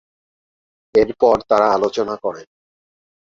এর পর তারা আলোচনা করেন।